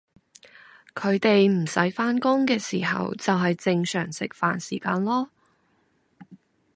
佢哋唔使返工嘅时候就係正常食飯時間囉